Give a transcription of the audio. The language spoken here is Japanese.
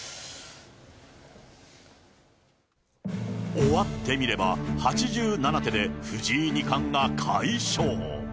終わってみれば、８７手で藤井二冠が快勝。